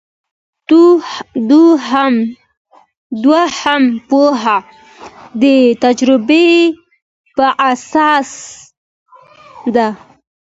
دوهمه پوهه د تجربې په اساس ده.